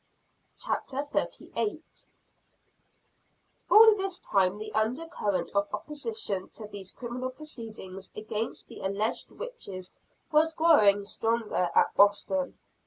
CHAPTER XXXVIII. Conflicting Currents in Boston. All this time the under current of opposition to these criminal proceedings against the alleged witches, was growing stronger, at Boston.